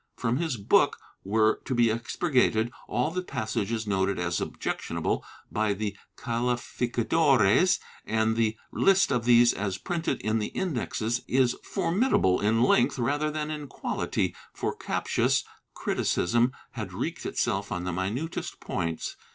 From his book were to be expurgated all the passages noted as objectionable by the calificadores, and the list of these as printed in the Indexes is formidable in length rather than in quality, for captious criticism had wreaked itself on the minutest points.